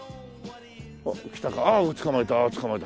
あっきたか捕まえた捕まえた。